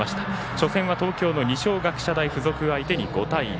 初戦は東京の二松学舎大付属相手に５対０。